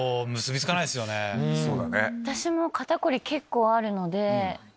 私も肩凝り結構あるので。